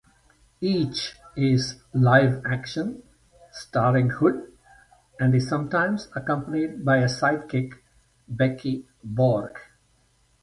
Each is live-action, starring Hood, and is sometimes accompanied by a sidekick, Becky Borg.